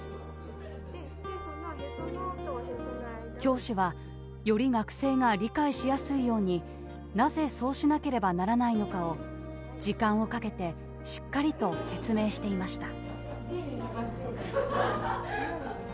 教師はより学生が理解しやすいようになぜそうしなければならないのかを時間をかけてしっかりと説明していました。